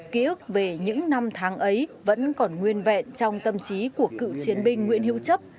ký ức về những năm tháng ấy vẫn còn nguyên vẹn trong tâm trí của cựu chiến binh nguyễn hữu chấp